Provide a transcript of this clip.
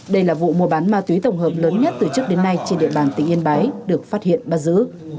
đây là vụ mua bán ma túy tổng hợp lớn nhất từ trước đến nay trên địa bàn tỉnh yên bái được phát hiện bắt giữ